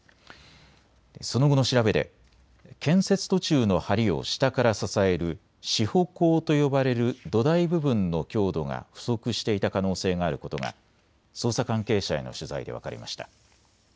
その後の調べで建設途中のはりを下から支える支保工と呼ばれる土台部分の強度が不足していた可能性があることが捜査関係者への取材で分かりました。